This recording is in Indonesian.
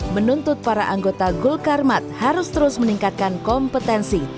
menuntut para anggota gul karmat harus terus meningkatkan kompetensi